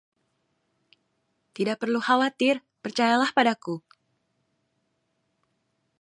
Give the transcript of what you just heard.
Tidak perlu khawatir, percayalah padaku.